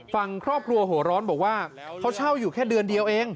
ฟังครอบครัวหัวร้อนบอกว่าเขาเช่าอยู่แค่เดือนเดียวเอง